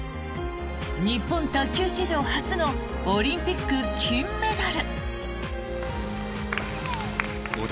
日本卓球史上初のオリンピック金メダル。